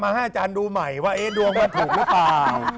ให้อาจารย์ดูใหม่ว่าดวงมันถูกหรือเปล่า